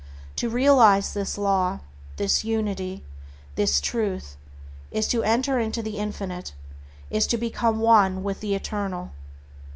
To realize this Law, this Unity, this Truth, is to enter into the Infinite, is to become one with the Eternal.